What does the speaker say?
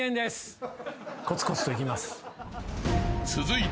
［続いて］